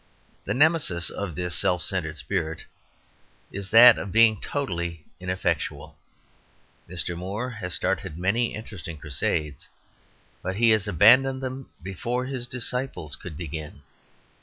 The Nemesis of this self centred spirit is that of being totally ineffectual. Mr. Moore has started many interesting crusades, but he has abandoned them before his disciples could begin.